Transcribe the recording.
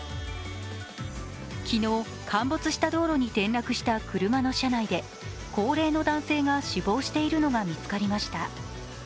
昨日、陥没した道路に転落した車の車内で高齢の男性が死亡しているのが見つかりました。